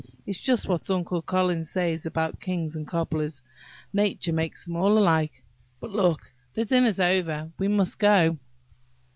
It's just what Uncle Collins says about kings and cobblers–nature makes them all alike. But, look! the dinner's over–we must go."